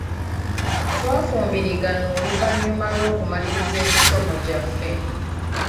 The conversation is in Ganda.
Twafumbiriganwa oluvannyuma lw'okumaliriza emisomo gyaffe.